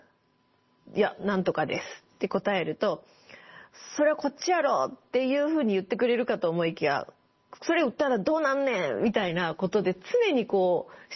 「いや何とかです」って答えると「それはこっちやろ！」っていうふうに言ってくれるかと思いきや「それ打ったらどうなんねん？」みたいなことで常にこう質問が来る。